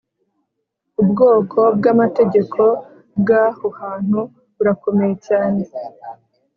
Ubwoko bw Amategeko bw aho hantu burakomeye cyane